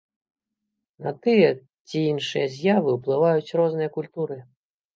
На тыя ці іншыя з'явы ўплываюць розныя культуры.